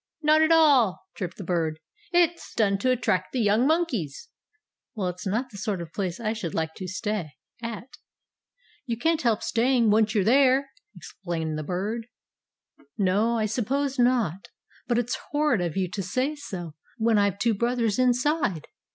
"Not at all!" chirped the Bird. "It's done to attract the young monkeys." "Well, it's not the sort of place I should like to stay at!" "You can't help staying, once you're there!" explained the Bird. "No, I s'pose not! But it's horrid of you to say so, when I've two brothers inside!"